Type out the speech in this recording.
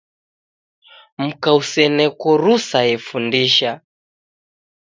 Muka useneko rusa efundisha